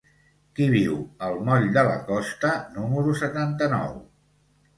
Qui viu al moll de la Costa número setanta-nou?